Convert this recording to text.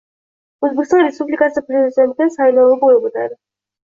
O‘zbekiston Respublikasi Prezidenti saylovi bo‘lib o‘tadi.